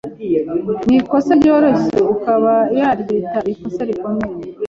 n’ikosa ryoroshye akaba yaryita ikosa rikomeye